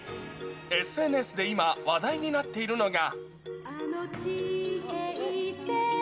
ＳＮＳで今、話題になっているのが。